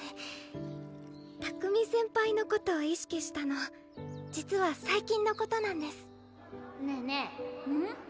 拓海先輩のこと意識したの実は最近のことなんですねぇねぇうん？